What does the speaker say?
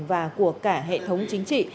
và của cả hệ thống chính trị